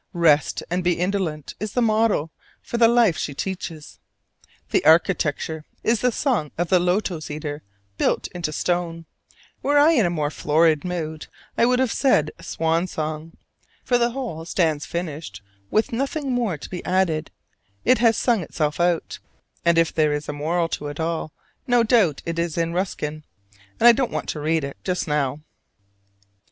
"Rest and be indolent" is the motto for the life she teaches. The architecture is the song of the lotos eater built into stone were I in a more florid mood I would have said "swan song," for the whole stands finished with nothing more to be added: it has sung itself out: and if there is a moral to it all, no doubt it is in Ruskin, and I don't wont to read it just now.